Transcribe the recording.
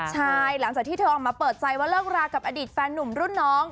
ใช่หลังจากที่เธอออกมาเปิดใจว่าเลิกรากับอดีตแฟนหนุ่มรุ่นน้อง